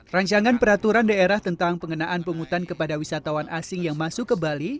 rancangan peraturan daerah tentang pengenaan pungutan kepada wisatawan asing yang masuk ke bali